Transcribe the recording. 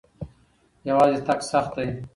یوازې تګ سخت دی.